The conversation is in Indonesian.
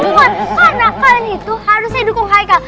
lukman karena kalian itu harusnya dukung haikal